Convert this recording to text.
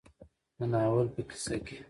د ناول په کيسه کې